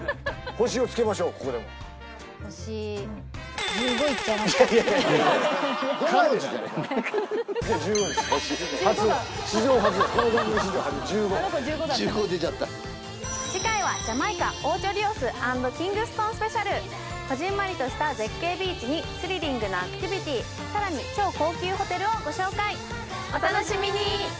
星初史上初この番組史上初１５あの子１５だったから１５出ちゃった次回はジャマイカオーチョリオスアンドキングストンスペシャルこぢんまりとした絶景ビーチにスリリングなアクティビティさらに超高級ホテルをご紹介お楽しみに！